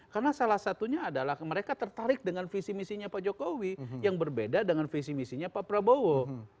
karena salah satunya adalah mereka tertarik dengan visi misinya pak jokowi yang berbeda dengan visi misinya pak prabowo